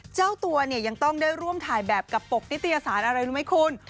เจ้าตัวเนี่ยยังต้องได้ร่วมถ่ายแบบกับปกนิตยสารอะไรรู้ไหมคุณ